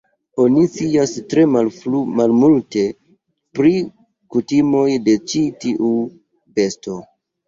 Oni scias tre malmulte pri kutimoj de ĉi tiu besto.